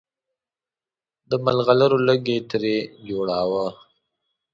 د ملغلرو لړ یې ترې جوړاوه.